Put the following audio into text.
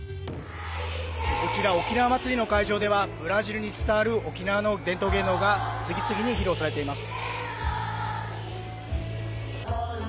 こちら、おきなわ祭りの会場ではブラジルに伝わる沖縄の伝統芸能が次々に披露されています。